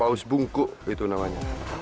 paus bungkuk itu namanya